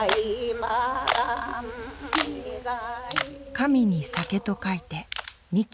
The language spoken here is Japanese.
神に酒と書いて「神酒」。